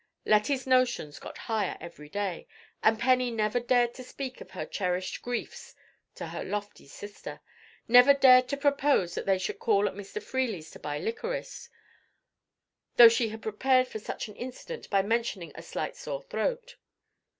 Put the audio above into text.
Letty's notions got higher every day, and Penny never dared to speak of her cherished griefs to her lofty sister—never dared to propose that they should call at Mr. Freely's to buy liquorice, though she had prepared for such an incident by mentioning a slight sore throat.